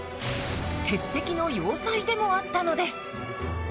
鉄壁の要塞でもあったのです。